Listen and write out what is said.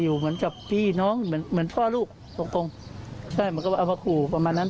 อยู่เหมือนกับพี่น้องเหมือนพ่อลูกตรงใช่เหมือนกับเอาว่าขู่ประมาณนั้น